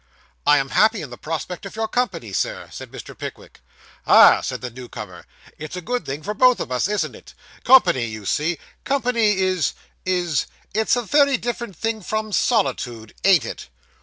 'I am happy in the prospect of your company, Sir,' said Mr. Pickwick. 'Ah,' said the new comer, 'it's a good thing for both of us, isn't it? Company, you see company is is it's a very different thing from solitude ain't it?